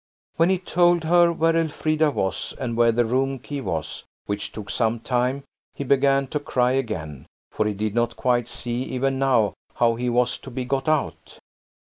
When he told her where Elfrida was, and where the room key was, which took some time, he began to cry again–for he did not quite see, even now, how he was to be got out.